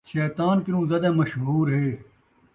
شیطان کنوں زیادہ مشہور ہے